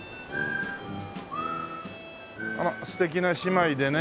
あら素敵な姉妹でね。